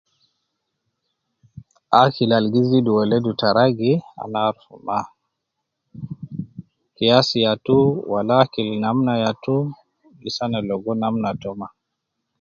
Akil al gi zidu weledu ta ragi, ana arufu mma. Kiyasi yatu wala akil yatu, wala namna yatu, lisa ana arufu mma.